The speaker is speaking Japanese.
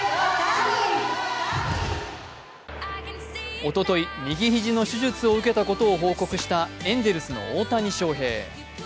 おととい、右肘の手術を受けたことを報告したエンゼルスの大谷翔平。